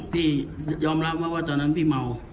พี่ยอมรับไหมว่าตอนนั้นพี่เมา